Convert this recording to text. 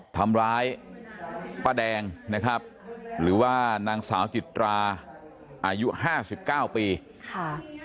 ทำร้ายป้าแดงนะครับหรือว่านางสาวจิตราอายุห้าสิบเก้าปีค่ะ